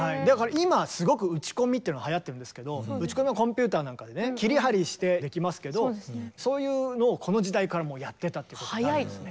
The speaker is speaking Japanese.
今すごく打ち込みっていうのがはやってるんですけど打ち込みはコンピューターなんかでね切り貼りしてできますけどそういうのをこの時代からもうやってたってことなんですね。